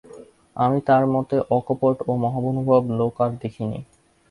আমি তাঁর মত অকপট ও মহানুভব লোক আর দেখিনি।